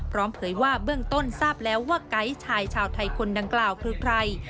เผยว่าเบื้องต้นทราบแล้วว่าไกด์ชายชาวไทยคนดังกล่าวคือใคร